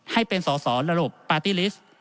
ให้เป็นสอสอระบบปาร์ตี้ลิสต์